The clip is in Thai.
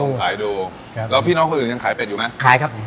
ขายดูครับแล้วพี่น้องคนอื่นยังขายเป็ดอยู่ไหมขายครับ